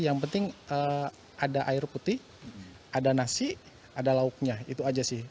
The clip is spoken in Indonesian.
yang penting ada air putih ada nasi ada lauknya itu aja sih